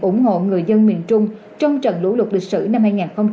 ủng hộ người dân miền trung trong trận lũ lục lịch sử năm hai nghìn hai mươi